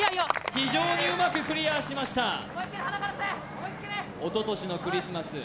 非常にうまくクリアしましたおととしのクリスマス